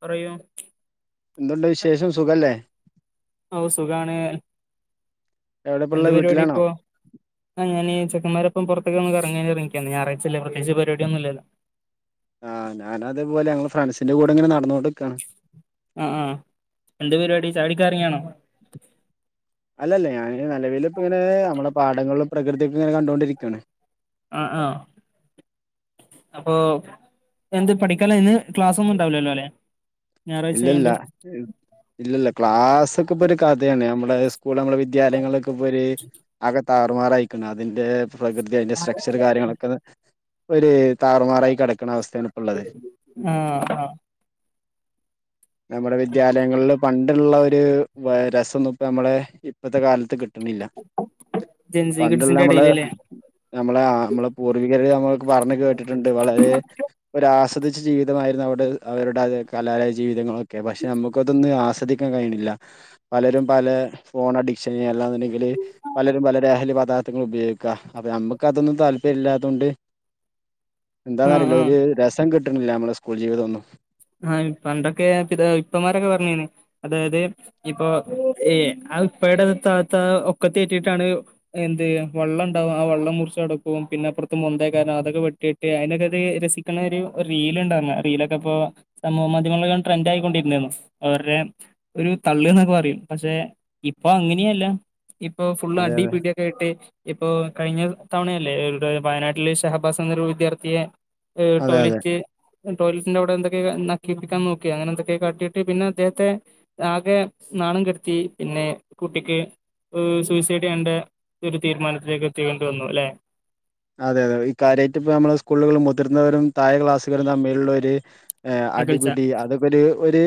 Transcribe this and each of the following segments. പറയൂ എന്തുണ്ട് വിശേഷം സുഖല്ലേ. ഓ സുഖാണ് എവിടെപ്പള്ള എന്ത് പരിപാടി വീട്ടിലാണോ ഇപ്പോ. ആ ഞാനീ ചെക്കന്മാരൊപ്പം പൊറത്തേക്ക് ഒന്ന് കറങ്ങി ഇറങ്ങാ നിക്കാണ് ഇന്ന് ഞായറാഴ്ച്ചല്ലേ പ്രത്യകിച്ച് പരിപാടിന്നുല്ലല്ലോ ആ ഞാന അതേപോല ഞങ്ങള് ഫ്രൻസിൻന്റെ കൂടെ ഇങ്ങനെ നടന്നു കൊണ്ട്ക്കാണ് ആഹ് എന്ത് പരിപാടി ചായ കുടിക്കാൻ ഇറങ്ങിയാണോ അല്ലല്ല ഞാന് നിലവിൽ ഇപ്പങ്ങനെ നമ്മളെ പാടങ്ങളും പ്രകൃതിക്കൊ ഇങ്ങനെ കണ്ടൊണ്ടിരിക്കണ്. അ ആഹ് അപ്പൊ എന്ത് പഠിക്കലേന്ന് ക്ലാസ്സൊന്നും ഉണ്ടാവില്ലല്ലോ അലേ ഇല്ല ഇല്ല ഇല്ല ഇല്ല ക്ലാസ്സൊക്കെ ഇപ്പൊ ഒരു കഥയാണ് നമ്മ്ളേ കുളങ്ങള് വിദ്യാലയങ്ങളിലൊക്കെ ഇപ്പൊരു ആകെ താറുമാറായിക്ണ് അതിന്റെ പ്രകൃതി അതിന്റെ സ്ട്രക്ചർ കാര്യങ്ങളൊക്കെ ത് ഒരു താറുമാറായി കെടക്ക്ണ അവസ്ഥയാണ് ഇപ്പള്ളത്. ആഹ് ആഹ് ഇപ്പ നമ്മുടെ വിദ്യാലയങ്ങളില് പണ്ടുള്ള ഒരു രസംന്നുപ്പ നമ്മളെ ഇപ്പത്തെ കാലത്ത് കിട്ട് ട്ട്ണില്ല. ജെൻസി പണ്ട്ള്ള കിഡ്സിന്റെ അമ്മള് ഇടയിലല്ലേ നമ്മളെ ആ നമ്മളെ പൂർവികര് നമ്മൾക്ക് പറഞ്ഞ് കേട്ടിട്ടുണ്ട് വളരെ ഒരാസ്വദി ച്ച് ജീവിതമായിരുന്നു അവ്ടെ അവരുടെ അത് കലാലയ ജീവിതങ്ങളൊക്കെ. പക്ഷെ നമുക്കതൊന്നും ആസ്വദിക്കാൻ കഴിയ്ണില്ല. പലരും പല ഫോൺ അഡിക്ഷന് അല്ലാന്ന്ണ്ടെങ്കില് പലരും പല ലഹലി പദാർത്ഥങ്ങൾ ഉപയോഗിക്കാ അപ്പൊ നമ്മക്ക് അതൊന്നും താല്പര്യം ഇല്ലാത്തോണ്ട് [inaudible] ആ എന്താന്നറിയില്ല ആ ഒരു രസം കിട്ട്ണില്ല നമ്മളെ സ്കൂൾ ജീവിതം ഒന്നും. ആ പണ്ടൊക്കെ ഇത് ഇപ്പമാരൊക്കെ പർഞ്ഞീനി അതായത് ഇപ്പൊ ഏ ആ ഉപ്പയുടെ താത്ത ഒക്കത്തേറ്റീട്ടാണ് എന്തെയ്യും വള്ളം ണ്ടാവും ആ വള്ളം മുർച്ചടക്കും പിന്നെ അപ്പൊറത്ത് മൊന്തയ്ക്കാരം അതൊക്കെ വെട്ടി അയ്നൊക്കെത് രസിക്ക്ണ ഒരു റീല്ണ്ടന്ന് റീലൊക്കെ പ്പോ. സമൂഹ മാധ്യമങ്ങളല്ലാം ട്രെന്റ് ആയ്ക്കൊണ്ടിര്ന്നേന്നു അവരുടെ ഒരു തള്ള്ന്നൊക്കെ പറയും. പക്ഷെ ഇപ്പൊ അങ്ങനെയല്ല ഇപ്പൊ ഫുള്ള് അതെ അതെ അടിപിടി. കേട്ട് ഇപ്പോ കഴിഞ്ഞ തവണയല്ലേ വയനാട്ടില് ഷഹബാസ് എന്നൊരു വിദ്യാർത്ഥിയെ ഹ് അതെ അതെ ടോയ്‌ലറ്റ് ടോയ്ലറ്റ്ന്റെ അവ്ടെ എന്തൊക് [unintelligible] നക്കിപ്പിക്കാ നോക്കി അനെന്തൊക്കെ കാട്ടിയിട്ട് പിന്നെ അദ്ദേഹത്തെ ആകെ നാണം കെടുത്തി പിന്നെ കുട്ടിക്ക് സൂയിസൈഡ് ചെയ്യേണ്ട ഒരു തീരുമാനത്തിലേക്ക് എത്തിക്കേണ്ടി വന്നു ലേ അതെ അതെ ഈ കാര്യായ്റ്റ് ഇപ്പ നമ്മളെ സ്കൂളുകളും മുതിർന്നവരും തായെ ക്ലാസ്സുകരും തമ്മിലുള്ള ഒര് ഹ് അകൽച്ച അടിപിടി അതൊക്കെ ഒര് ഒര്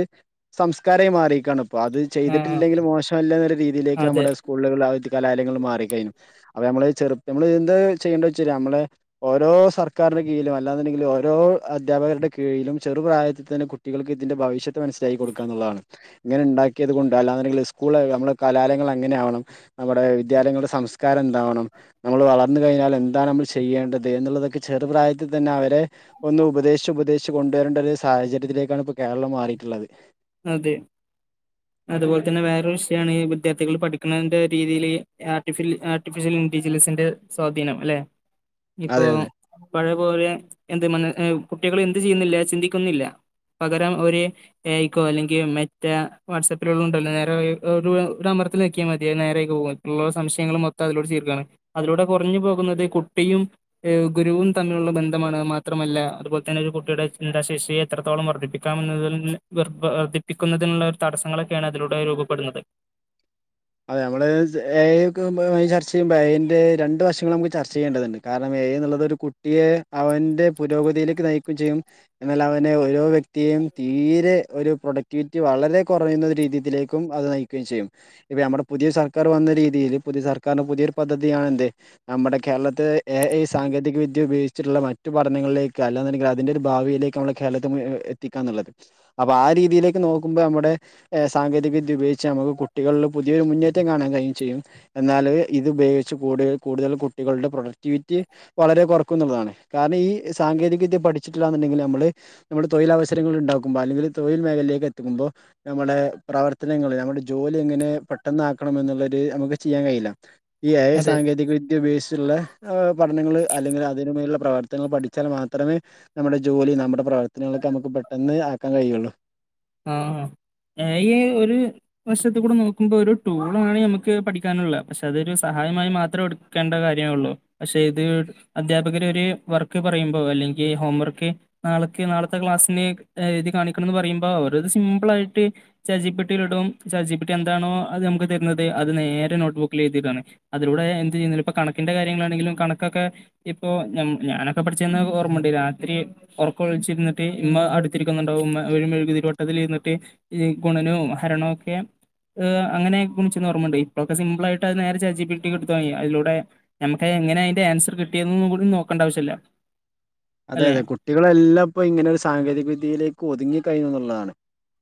സംസ്കാരായി മാറീകേണ് അപ്പോ അത് ആഹ് ചെയ്തിട്ടില്ലെങ്കിൽ മോശമല്ലേ ന്നൊര് രീതിയിലേക്ക് അതെ നമ്മുടെ സ് സ്കൂളുകള് അവധി കലാലയങ്ങൾ മാറി ക്കഴിഞ്ഞു അപ്പൊ നമ്മള് ചെറു നമ്മള് എന്താ ചെയ്യണ്ടേ വെച്ചര് നമ്മളെ ഓരോ സർക്കാരിന്റെ കീഴിലും അല്ലാന്നുണ്ടെങ്കിൽ ഓരോ അധ്യാപകരുടെ കീഴിലും ചെറുപ്രായത്തിൽ തന്നെ കുട്ട് കുട്ടികൾക്ക് ഇതിന്റെ ഭവിഷ്യത്ത് മനസ്സിലാക്കി കൊടുക്കാന്നുള്ളതാണ്. ഇങ്ങനെണ്ടാക്കിയത് കൊണ്ട് അല്ലാന്ന്ണ്ടെങ്കി സ്കൂള് നമ്മളെ കലാലയങ്ങള് അങ്ങനെ ആവണം. നമ്മുടെ വിദ്യാലയങ്ങളുടെ സംസ്കാരം എന്താവണം നമ്മള് വളർന്ന് കഴിഞ്ഞാല്. എന്താണ് മ്മൾ ചെയ്യേണ്ടത് എന്നുള്ളതൊക്കെ ചെറു പ്രായത്തിൽ തന്നെ അവരെ ഒന്ന് ഉപദേശിച്ച് ഉപദേശ് ച്ചു കൊണ്ടുവരേണ്ടൊരു സാഹചര്യത്തിലേക്കാണ്പ്പൊ കേരളം മാറീട്ട്ള്ളത്. അതെ അതുപോലെ തന്നെ വേറൊരു വിഷയാണ് ഈ വിദ്യാർത്ഥികൾ പഠിക്കുന്നതിന്റെ രീതിയിൽ ആർട്ടിഫിൽ ആർട്ടിഫിഷ്യൽ ഇന്റലിജസിന്റെ. സ്വാധീനം അല്ലേ ഇപ്പോ അതെ അതെ പഴയ പോലെ എന്ത് മ കുട്ടികള് എന്ത് ചെയ്യുന്നില്ല ചിന്തിക്കുന്നില്ല. പകരം ഒര് ഏയ് ക്കോ അല്ലെങ്കി മറ്റേ വാട്സപ്പിലുള്ളണ്ടല്ലോ നേരെ ഒരു ഒരു അമർത്തല് നെക്ക്യാ മതി അത് നേരയ്ക് പോകും. ഉള്ള സംശയങ്ങൾ മൊത്തം അതിലൂടെ തീർക്കാണ് അതിലൂടെ കൊർഞ്ഞ് പോകുന്നത് കുട്ടിയും അ് ഗുരുവും തമ്മിലുള്ള ബന്ധമാണ് മാത്രമല്ല അതുപോൽതന്നെ ഒരു കുട്ടിയുടെ ചിന്താശേഷിയെ എത്രത്തോളം വർദ്ധിപ്പിക്കും. ക്കാമെന്നുള്ള വർദ്ധിപ്പിക്കുന്നതിനുള്ള ഒരു തടസ്സങ്ങളൊക്കെയാണ് അതിലൂടെ രൂപപ്പെടുന്നത്. അതെ നമ്മള് ഏ അയ്ക് പോകുമ്പൊ ചർച്ച ചെയ്യുമ്പോ അയ്ന്റെ രണ്ട് വഷങ്ങള് നമുക്ക് ചർച്ച ചെയ്യേണ്ടതുണ്ട്. കാരണം ഏ അയ് എന്നുള്ളത് ഒരു കുട്ടിയെ അവന്റെ പുരോഗതിയിലേക്ക് നയിക്കെം ചെയ്യും. എന്നാൽ അവനെ ഓരോ വ്യക്തിയേയും തീരെ ഒരു പ്രൊഡക്ടിവിറ്റി വളരെ കുറയുന്ന രീതിയിലേക്കും അത് നയി ക്കുകയും ചെയ്യും. ഇപ്പം നമ്മുടെ പുതിയൊരു സർക്കാർ വന്ന രീതിയിൽ പുതിയ സർക്കാരിന്റെ പുതിയൊരു പദ്ധതിയണ് എന്ത് നമ്മടെ കേരളത്തെ. ഏ ഐ സാങ്കേതിക വിദ്യ ഉപയോഗിച്ചിട്ടുള്ള മാ മറ്റ് പഠനങ്ങളിലേക്ക് അല്ലാന്ണ്ടെങ്കിൽ അതിന്റെ ഒരു ഭാവിയിലേക്ക് നമ്മളെ കേളത്തെ എത്തിക്കാന്ന്ള്ളത്. അപ്പൊ ആ രീതിയിലേക്ക് നോക്കുമ്പോ നമ്മുടെ സാങ്കേതിക വിദ്യ ഉപയോഗിച്ച് നമുക്ക് കുട്ടികളില്. പുതിയൊരു മുന്നേറ്റം കാണാൻ കഴിയും ചെയ്യും. എന്നാല് ഇത് ഉപയോഗിച്ച് കൂടുതൽ കൂടുതൽ കുട്ടികളുടെ പ്രൊഡക്ടിവിറ്റി. വളരെ കുറക്കുംന്ന്ള്ളതാണ് കാരണം ഈ സാങ്കേതിക വിദ്യ പഠിച്ചിട്ടില്ലാന്ന്ണ്ടെങ്കി നമ്മള് നമ്മള് തൊഴിലവസരങ്ങൾ ഇണ്ടാക്കുമ്പോ അല്ലെങ്കിൽ തൊഴിൽ മേഖലയിലേക്ക് എത്തിക്കുമ്പൊ. നമ്മുടെ പ്രവർത്തനങ്ങള് നമ്മുടെ ജോലി എങ്ങനെ. പെട്ടെന്ന് ആക്കണം എന്ന്ള്ളൊരു നമുക്ക് ചെയ്യാൻ കഴിയില്ല ഈ ഏ ഐ അതെ സാങ്കേതിക വിദ്യ ഉപയോഗിച്ചുട്ട്ള്ള. ഏഹ് പഠനങ്ങൾ അല്ലെങ്കിൽ അതിന് മേലുള്ള പ്രവർത്തനങ്ങൾ പഠിച്ചാൽ മാത്രമേ. നമ്മുടെ ജോലി നമ്മുടെ പ്രവർത്തനങ്ങളൊക്കെ നമുക്ക് പെട്ടെന്ന് ആക്കാൻ കഴിയൊള്ളു. ആഹ് ആഹ് ഏ ഐ ഒരു. വഷത്ത് കൂടെ നോക്കുമ്പോ ഒരു ടൂളാണ് നമുക്ക് പഠിക്കാനുള്ളത് പക്ഷെ അതൊരു സഹായമായി മാത്രം. എടുക്കേണ്ട കാര്യാഒള്ളൂ പക്ഷേ ഇത് അധ്യാപകർ ഒരു വർക്ക് പറയുമ്പോ അല്ലെങ്കിൽ ഹോം വർക്ക്. നാളക്ക് നാളത്തെ ക്ലാസ്സിന് എഴ്തി കാണിക്കണംന്ന് പറയുമ്പോ അവരത് സിമ്പിളായ്ട്ട്. ചാ റ്റ് ജി പ്പി ട്ടി ലിടും ചാറ്റ് ജി പ്പി ട്ടി എന്താണോഅത് നമുക്ക് തര്ന്നത് അത് നേരെ നോട്ട് ബുക്കിലെഴ്തിടാണ്. അതിലൂടെ എന്ത് ചെയ്യുന്നില്ല ഇപ്പം കണക്കിന്റെ കാര്യങ്ങളാണെങ്കിലും കണക്കൊക്കെ. ഇപ്പൊ ഞ ഞാനൊക്കെ പഠിച്ചന്ന് ഓർമ്മണ്ട് രാത്രി. ഒർക്കൊയ്ചിര്ന്ട്ട് ഇമ്മ അട്ത്തിര്ക്കുന്നുണ്ടാവും ഇമ്മ ഒരു മെഴുകുതിരി വ ട്ടത്തിൽ ഇര്ന്ട്ട് ഗുണനും ഹരണുംഒക്കെ. ഏഹ് അങ്ങനെച്ച് ഓർമ്മണ്ട് ഇപ്പളൊക്കെ സിമ്പിളായിട്ടത് നേരെ ചാറ്റ് ചി പി ട്ടിക്കൊട്താമതി അതിലൂടെ. നമുക്ക് എങ്ങനെ അയ്ന്റെ ആൻസർ കിട്ടിയതൂന് കൂടി നോക്കണ്ട ആവശ്യല്ല്യ. അതെ അതെ കുട്ടികളെല്ലാം ഇപ്പ ഇങ്ങനെ ഒരു സാങ്കേതിക വിദ്യയിലേക്ക് ഒതുങ്ങി കഴഞ്ഞുന്നുള്ളതാണ്.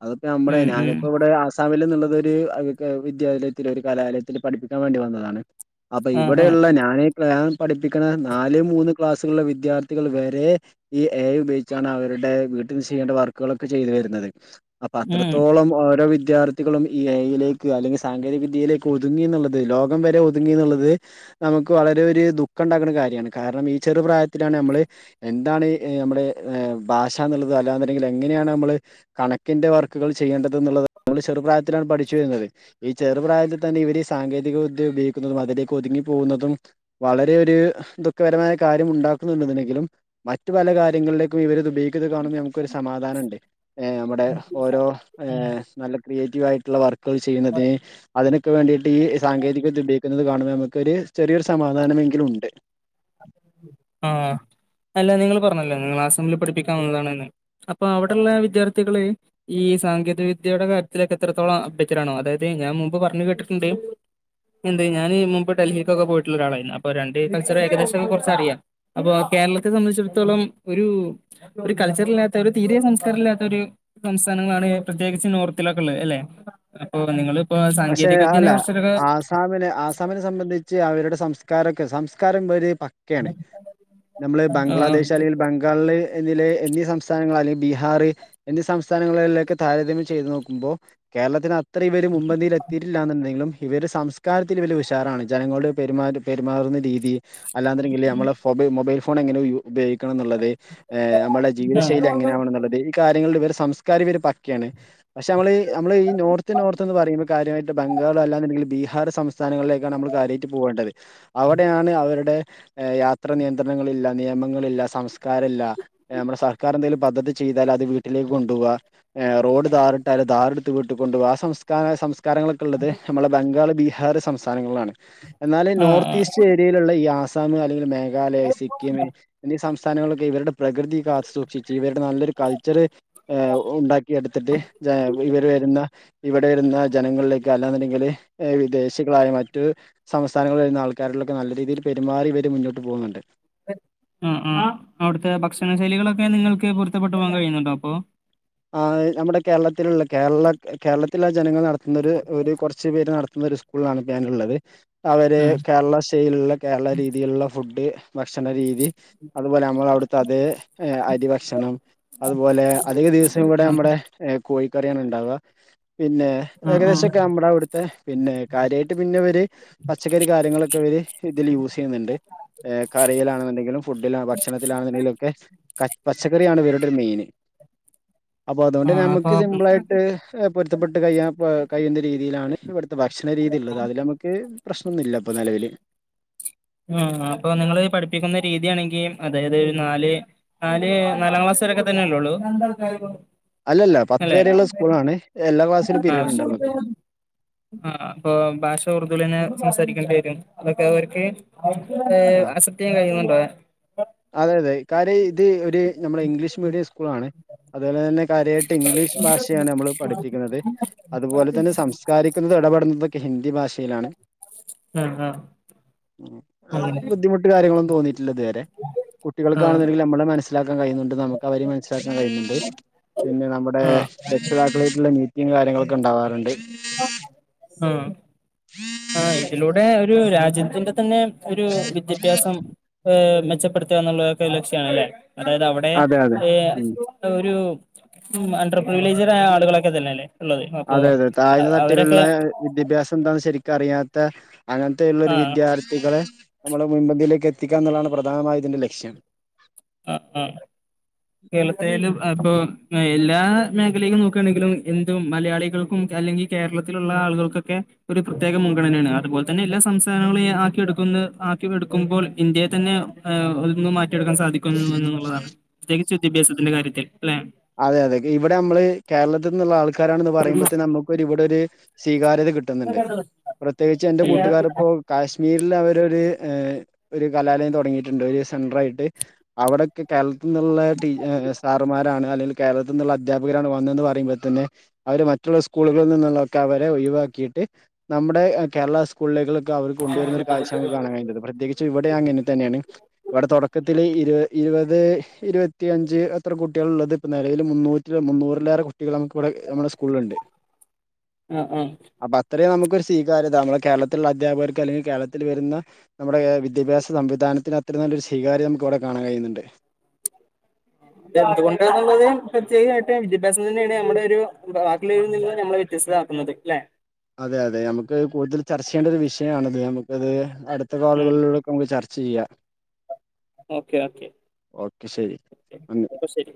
അതിപ്പോ നമ്മടെ ഉം ഉം ഞാനിപ്പോവിടെ ആസ് മിൽ എന്നുള്ളത് ഒരു വിദ്യാലയത്തിൽ ഒരു കലാലയത്തില് പഠിപ്പിക്കാൻ വേണ്ടി വന്നതാണ്. അപ്പൊ ആഹ് ആഹ് ഇവിടെയുള്ള ഞാന് ഞാൻ പഠിപ്പിക്ക്ണ നാല് മൂന്ന് ക്ലാസ്സുകളില്ള്ള വിദ്യാർത്ഥികൾ വേ രെ ഈ എ ഐ ഉപയോഗിച്ചാണ് അവരുടെ വീട്ടിൽ ചെയ്യേണ്ട വർക്കുകളൊക്കെ ചെയ്തു വരുന്നത്. അപ്പൊ ഉം അത്രത്തോളം ഓരോ വിദ്യാർ ത്ഥികളും ഈ ഏ ഐലേക്ക് അല്ലെങ്കിൽ സാങ്കേതിക വിദ്യയിലേക്ക് ഒതുങ്ങിന്ന്ള്ളത് ലോകം വരെ ഒതുങ്ങിന്ന്ള്ളത്. നമുക്ക് വളരെ ഒര് ദുഃഖം ഉണ്ടാക്ക്‌ണ കാര്യാണ് കാരണം ഈ ചെറുപ്രായത്തിലാണ് നമ്മള് എന്താണ് നമ്മുടെ ഭാഷ എന്നുള്ളത് അല്ലാന്ന്ണ്ടെങ്കിൽ എങ്ങനെയാണ് നമ്മള് കണക്കിന്റെ വർക്കുകൾ ചെയ്യേണ്ടതെന്നുള്ളത് നമ്മൾ ചെറുപ്രായത്തിലാണ് പഠിച്ചു വരുന്നത് ഈ ചെറു പ്രായത്തിൽ തന്നെ ഇവര് ഈ സാങ്കേതിക വിദ്യ ഉപയോഗിക്കുന്നതും അതിലേക്ക് ഒതുങ്ങി പോകുന്നതും വളരെ ഒര് ദുഃഖപരമായ കാര്യം ഉണ്ടാക്കുന്നുണ്ട്ന്നുണ്ടെങ്കിലും മറ്റ് പല കാര്യങ്ങളിലേക്കും ഇവരിത് ഉപയോ - ഗിക്ക്ണത് കാണുമ്പോൾ നമുക്കൊരു സമാധാനംണ്ട് നമ്മുടെ ഓരോ ആഹ് നല്ല ക്രിയേറ്റീവ് ആയിട്ടു - ള്ള വർക്കുകൾ ചെയ്യുന്നത് അതിനൊ - ക്ക് വേണ്ടിയിട്ട് ഈ സാങ്കേതികവിദ്യ ഉപോഗിക്കുന്നത് കാണുമ്പോ നമുക്ക് ഒരു ചെറിയൊരു സമാധാനമെങ്കിലുംണ്ട് ആഹ് അല്ല നിങ്ങൾ പറഞ്ഞല്ലോ നിങ്ങള് അസമിൽ പഠിപ്പിക്കാൻ വന്നതാണ്ന്ന് അപ്പൊ അവിടെള്ള വിദ്യാർത്ഥികള് ഈ സാങ്കേതിക വിദ്യയുടെ കാര്യത്തിലൊക്കെ എത്രത്തോളം അപ്ടേറ്റടാണോ അതായത് ഞാൻ മുമ്പ് പറഞ്ഞു കേട്ടിട്ടുണ്ട് മുമ്പ് ഞാന് മുമ്പ് ഡൽഹിക്കൊക്കെ പോയിട്ട് ള്ളൊരാളായിരുന്നു അപ്പൊ രണ്ട് കൾച്ചറേകദേശ് [unintelligible] കൊർച്ചറിയാം അപ്പൊ കേരളത്തെ സംബന്ധിച്ചിടത്തോളം ഒരു ഒരു കൾച്ചറില്ലാത്ത ഒരു തീരെ സംസ്കാരല്ലാത്തൊര് സംസ്ഥാനങ്ങളാണ് പ്രത്യേകിച്ച് നോർത്തിലൊക്കെ ള്ളത് അല്ലെ. അപ്പൊ നിങ്ങളിപ്പോ സാങ്കേതിക വിദ്യനെ കുർച്ചൊക്കെക്കാ സാമിനെ ആസാമിനെ സംബന്ധിച്ച് അവരുടെ സംസ്കാരൊക്കെ സംസ്കാരം ഒര് പ ക്കെണ്. നമ്മള് ആ ബംഗ്ലാദേശ് അല്ലെങ്കില് ബംഗാൾള് എന്ന്ല് എന്നീ സംസ്ഥാനങ്ങൾ അല്ലെ ബീഹാറ് എന്നീ സംസ്ഥാനങ്ങളിലൊക്കെ താരതമ്യം ചെയ്ത് നോക്കുമ്പോ കേരളത്തിന്റെ അത്രയും ഇവര് മുൻപന്തിയിലെത്തിട്ടില്ലാന്ന് ണ്ടെങ്കിലും ഇവര് സംസ്കാരത്തില് ഇവല് ഉഷാറാണ് ജനങ്ങളോട് പെരുമാറ്റ പെരുമാറുന്ന രീതി അല്ലാന്ന്ണ്ടെങ്കില് നമ്മളെ ഫൊബൈ മൊബൈൽ ഫോണെങ്ങനെ യു ഉപയോഗിക്കണന്ന്ള്ളത് ഏഹ് നമ്മളെ ആ ജീവിത ആ ശൈലി എങ്ങനെയാവണന്നുള്ളത് ക്കാര്യങ്ങളില് ഇവരെ സംസ്കാരം ഇവര് പക്കെണ് പക്ഷെ നമ്മളീ നമ്മള് ഈ നോർത്ത് നോർത്ത് ന്ന് പറയുമ്പ കാര്യമായിട്ട് ബംഗാള് അല്ലാന്ന്ണ്ടെങ്കില് ബീഹാർ സംസ്ഥാനങ്ങളിലേക്കാണ് അമ്മള് കാര്യായിട്ട് പോവേണ്ടത്. അവടെയാണ് അവരുടെ എഹ് യാത്ര നിയന്ത്രണങ്ങളില്ല നിയമങ്ങളില്ല സംസ്കാരല്ല. ഏഹ് നമ്മളെ സർക്കാർ എന്തെലും പദ്ധതി ചെയ്താൽ അത് വീട്ടിലേക്ക് കൊണ്ടോവ. ഏഹ് റോഡ് ദാറ്ട്ടാല് ദാറെട്ത്ത് വീട്ട് കൊണ്ടോവ ആ സംസ്ഥാന സംസ് ക്കാരങ്ങളൊക്കെള്ളത് നമ്മളെ ബംഗാള് ബീഹാറ് സംസ്ഥാനങ്ങളിലാണ്. എന്നാല് ആ നോർത്ത് ഈസ് റ്റേര്യയില്ള്ള ഈ ആസാമ് അല്ലെങ്കില് മേഘാലയ, സിക്കിം എന്നീ സംസ്ഥാനങ്ങളിലൊക്കെ ഇവര്ടെ പ്രകൃതി കാത്ത് സൂക്ഷിച്ച് ഇവരുടെ നല്ലൊരു കൾച്ചറ് ഏഹ് ഉണ്ടാക്കി എട്ത്ത്ട്ട് [unintelligible] ഇവര് വെരുന്ന ഇവടെ വെരുന്ന ജനങ്ങളിലേക്ക് അല്ലാന്നുണ്ടെങ്കി വല് ഏഹ് വിദേശികളായ മറ്റ് സംസ്ഥാനങ്ങൾന്ന് വെര്ന്ന ആൾക്കാരിലൊക്കെ നല്ല രീതിയിൽ പെരുമാറി വര് മുന്നോട്ട് പോകുന്നുണ്ട്. ആഹ് ആഹ് അവ്ട്ത്തെ ഭക്ഷണ ശൈലികളൊക്കെ നിങ്ങൾക്ക് പൊരുത്തപ്പെട്ടു പോവാൻ കഴിയുന്നുണ്ടോ അപ്പൊ? ആഹ് എഹ് നമ്മടെ കേരളത്തില്ള്ള കേരള കേരളത്തിലെ ജനങ്ങൾ നട- ന്നൊര് ഒര് കൊർച്ച് പേര് നടത്തുന്നൊരി സ്കൂളാണ് ഇപ്പ ഞാന്ള്ളത്. അവര് ആ കേരളസ്റ്റൈലില്ള്ള കേരള രീതിയില്ള്ള ഫുഡ് ഭക്ഷണ രീതി അത്പോലെ നമ്മളവ്ട്ത്തെ അതെ എഹ് അരി ഭക്ഷണം അത്പോലെ അധിക ദിവസ് അവ്ടെ എഹ് കോയികറ്യാണ് ണ്ടാവ. പിന്നെ ആ ആ ഏകദേശൊക്കെ അമ്മളവ്ട് ത്തെ പിന്നെ കാര്യായിട്ട് പിന്നെവര് പച്ചക്കറി കാര്യങ്ങളൊക്കെ ഇവര് ഇതിൽ യൂസെയ്യ്ന്ന്ണ്ട് എഹ് കറിയിലാണെന്ന്ണ്ടെങ്കിലും ഫുഡില ഭക്ഷണത്തിലാണെന്ന്ണ്ടെങ്കിലൊക്കെ പ പച്ചക്കറിയാണ് ഇവരുടൊരു മെയിന്. അപ്പൊ അതോണ്ട് ആ നമക്ക് അപ്പൊ സിമ്പിളായിട്ട് ഏഹ് പൊര്ത്തപ്പെട്ട് കയ്യാ എഹ് കയ്യേണ്ട രീതിയിലാണ് ഇവട്ത്തെ ഭക്ഷണ രീതി ള്ളത് അതിലമ്മക്ക് പ്രശ്നൊന്നുല്ല പ്പോ നെലവില്. ആഹ് ആഹ് പ്പൊ നിങ്ങള് പഠിപ്പിക്ക്ന്ന രീത്യാണെങ്കി അതായതൊര് നാല് നാല് നാലാം ക്ലാസ് വെരെക്കെ തന്നെല്ലൊള്ളൂ. അല്ലല്ല പത്ത് വെരെള്ള സ്കൂളാണ് എല്ലാ ക്ലാസിലും ആഹ് പിരീഡ്ണ്ടമ്മക്ക്. ആഹ് അപ്പൊ ഭാഷ ഉർദു ലെന്നെ സംസാരിക്കേണ്ടി വെരോ? അതൊക്കവർക്ക്. ഏഹ് ആഹ് അക്സെപ്റ്റെയ്യാൻ കയ്യ്ന്നുണ്ടോ? അതെ അതെ കാര്യം ഇത് ഒരു നമ്മളെ ഇംഗ്ലീഷ് മീഡിയം സ്കൂളാണ്. അത്പോലെ തെന്നെ കാര്യായിട്ട് ഇംഗ്ലീഷ് ബാഷയാണ് അമ്മള് പഠിപ്പിക്കുന്നത്. അത്പോലെ തെന്നെ സംസ് സാരിക്കുന്നതും എടപെട്ണതൊക്കെ ഹിന്ദി ബാഷയിലാണ്. ആഹ് ആഹ് ഉം അത് അങ്ങനെ ബുദ്ധിമുട്ട് കാര്യങ്ങളൊന്നും തോന്നിട്ടില്ല ഇത് വരെ. ആഹ് കുട്ടികൾക്കാണെന്നൊണ്ടെങ്കിൽ നമ്മളെ മനസിലാക്കൻ കഴിയുന്നൊണ്ട്. നമുക്ക് അവരെ മനസിലാക്കൻ കഴിയുന്നൊണ്ട്. പിന്നെ നമ്മ ടെ ആഹ് രക്ഷിതാക്കളായിട്ടൊള്ള മീറ്റിങ് കാര്യങ്ങളൊക്കെ ഇണ്ടാവാറൊണ്ട്. ആഹ് ആഹ് ഇതിലൂടെ ഒരു രാജ്യത്തിന്റെ തന്നെ ഒരു വിദ്യാഭ്യാസം ഏഹ് മെച്ചപ്പെടു ത്തന്നൊള്ളൊക്കെ ലക്ഷ്യമാണല്ലേ. അതായത് അവടെ അതെ അതെ ഏഹ് ഉം [unintelligible] ഒരു അണ്ടർപ്രിവിലേജറായ ആളുകളൊക്കെത്തന്നെയല്ലേ? അതെയതെ താഴ്ന്ന തട്ടിലുള്ളേ വിദ്യാഭ്യാസം എന്താന്ന് ശെരിക്കും അറിയാത്ത അങ്ങനെത്തെയൊള്ളൊരു ആഹ് വിദ്യാർ ത്ഥികളെ നമ്മള് മുൻപന്തിയിലേക്ക് എത്തിക്കുക എന്നുള്ളതാണ് പ്രധാനമായി ഇതിന്റെ ലക്ഷ്യം ആഹ് ആഹ് കേരളത്തേലും അയിപ്പ എല്ലാ മേഖലയിലേക്ക് നോക്കുകയാണെങ്കിലും എന്തും മലയാളികൾക്കും അല്ലെങ്കി കേരളത്തിലൊള്ള ആളുകൾക്കെക്കെ ഒരു പ്രത്യേക മുൻഗണനയാണ്. അതുപോലെ തന്നെ എല്ലാ സംസ്ഥാനങ്ങളെയും ആക്കി എടുക്കുന്ന ആക്കി എടുക്കുമ്പോൾ ഇന്ത്യേ തന്നെ. ഏഹ് ഒന്ന് മാറ്റിയെടുക്കാൻ സാധിക്കുന്നുയെന്നുള്ളതാണ്. പ്രത്യേകിച്ച് വിദ്യാഭ്യാസത്തിന്റെ കാര്യത്തിൽ. അല്ലേ? അതെ അതെ. ഇവടെ നമ്മള് കേരളത്തിന്നുള്ള ആൾക്കാരാണ് പറയുമ്പോത്തേ നമുക്കൊരു ഇവടൊരു സ്വീകാര്യത കി ട്ട്ന്ന്ണ്ട്. പ്രത്യേകിച്ച് എന്റെ കൂട്ടുകാറിപ്പോ കാശ്മീരില് അവരൊരു ഏഹ് ഒരു കലാലയം തൊടങ്ങിട്ടോണ്ട് ഒരു സെന്ററായിട്ട്. അവടെക്കെ കേരളത്തിന്നൊള്ള ടീ സാറമാരാണ് അല്ലേലും കേരളത്തിൽ നിന്നൊള്ള അധ്യാപകരാണ് വന്നെന്ന് പറയുമ്പോ തന്നെ. അവര് മറ്റൊള്ള സ്കൂളുകളിൽ നിന്നുള്ളെക്കെ അവരെ ഒഴിവാക്കിയിട്ട് നമ്മടെ കേരള സ് കൂളുകളേക്ക് അവർ കൊണ്ടുവരുന്ന ഒരു കാഴ്ച്ചാണ് കാണാൻ കഴിഞ്ഞത്. പ്രത്യേകിച്ചും ഇവടേം അങ്ങനെ തന്നെയാണ്. ഇവടെ തൊടക്കത്തില് ഇരു ഇരുപത്, ഇരുപത്തിയഞ്ച് അത്ര കുട്ടികളൊള്ളത് ഇപ്പ നെലവില് മുന്നൂറ്റിപത് മുന്നൂറിലേറെ കുട്ടികൾ നമുക്കിവിടെ നമ്മടെ സ്കൂളിലൊണ്ട്. ആ ആ അപ്പ അത്രേം നമ്മക്കൊരു സ്വീകാര്യത. നമ്മളെ കേരളത്തിലൊളള അധ്യാപകർക്ക് അല്ലെങ്കിൽ കേരളത്തിൽ വെരുന്ന നമ്മടെ വിദ്യാഭ്യാസ സംവിധാനത്തിന് അത്രയും നല്ലൊരു സ്വീകാര്യം നമുക്ക് ഇവടെ കാണാൻ കഴിയുന്നുണ്ട്. ഇത് എന്ത് കൊണ്ടുള്ളതാണുള്ളത്, പ്രത്യേകായിട്ട് വിദ്യാഭ്യാസം തന്നെയാണ് നമ്മടെ ഒര് ബാക്കിയൊളളവരിൽ നിന്നും നമ്മളെ വ്യത്യസ്താരാ ക്കുന്നത് അല്ലേ? അതെ അതെ. നമ്മക്ക് കൂടുതൽ ചർച്ച ചെയ്യേണ്ടയൊരു വിഷയമാണത്. നമുക്കത് അടുത്ത ഉം കോളുകളിലൂടെ നമ്മുക്ക് ചർച്ച ചെയ്യാം. ഓക്കെ ഓക്കെ ഓക്കെ ശെരി നന്ദി. അപ്പൊ ശരി